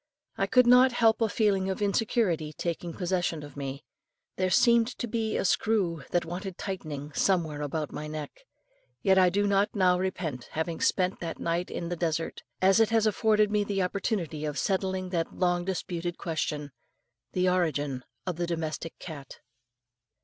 I could not help a feeling of insecurity taking possession of me; there seemed to be a screw that wanted tightening somewhere about my neck. Yet I do not now repent having spent that night in the desert, as it has afforded me the opportunity of settling that long disputed question the origin of the domestic cat.